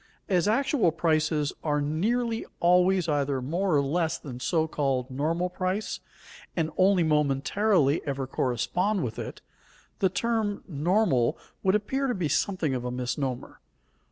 As actual prices are nearly always either more or less than so called normal price, and only momentarily ever correspond with it, the term "normal" would appear to be something of a misnomer.